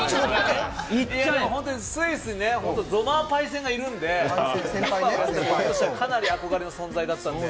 本当スイスゾマーぱいせんがいるのでかなり憧れの存在だったんで。